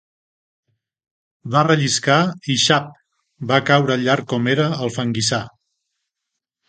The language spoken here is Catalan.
Va relliscar, i xap!, va caure llarg com era al fanguissar.